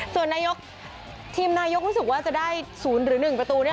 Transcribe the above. ส่วนนายกทีมนายกรู้สึกว่าจะได้๐หรือ๑ประตู